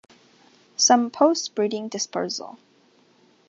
Some post-breeding dispersal.